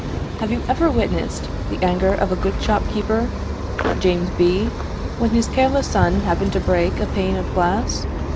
Have you ever witnessed the anger of the good shopkeeper, James B., when his careless son happened to break a pane of glass?